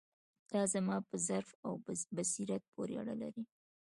دا زما په ظرف او بصیرت پورې اړه لري.